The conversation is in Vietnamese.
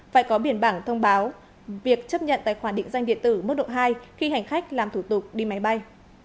phải có biển bảng thông báo việc chấp nhận tài khoản định danh điện tử mức độ hai khi hành khách làm thủ tục đi máy bay